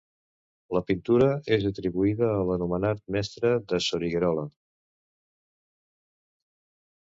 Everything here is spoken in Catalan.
La pintura és atribuïda a l'anomenat mestre de Soriguerola.